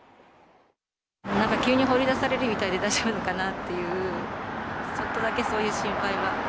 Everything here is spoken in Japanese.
急に放り出されるみたいで、大丈夫かなっていう、ちょっとだけそういう心配は。